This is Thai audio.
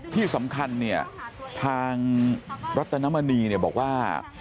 ที่สำคัญเนี่ยทางรัตนมณีเนี่ยบอกว่า